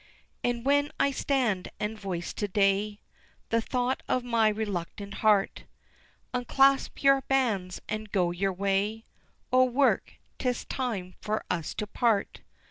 And when I stand and voice to day The thought of my reluctant heart, Unclasp your bands and go your way O work, 'tis time for us to part!